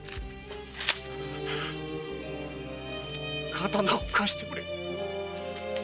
刀を貸してくれ。